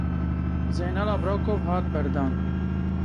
Zeynal Abrakov hat berdan.